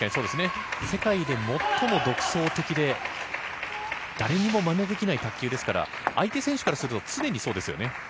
世界で最も独創的で誰にも真似できない卓球ですから、相手選手からすると常にそうですよね。